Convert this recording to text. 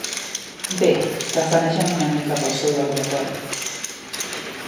Bé, tafanegem una mica pel seu laboratori.